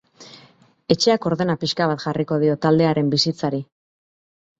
Etxeak ordena pixka bat jarriko dio taldearen bizitzari.